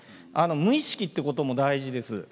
無意識ってことも大事です。